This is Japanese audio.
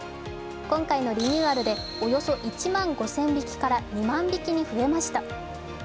今回のリニューアルでおよそ１万５０００匹から２万匹に増えました。